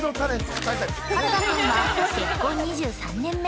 原田さんは結婚２３年目。